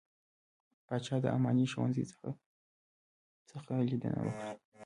پاچا د اماني ښوونځي څخه څخه ليدنه وکړه .